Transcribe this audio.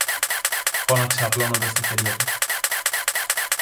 φώναξε απλώνοντας τα χέρια του.